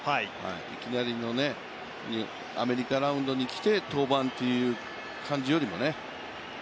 いきなりのアメリカラウンドに来て登板というよりもね。